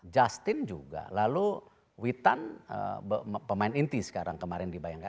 justin juga lalu witan pemain inti sekarang kemarin dibayangkan